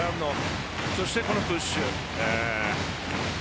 そして、このプッシュ。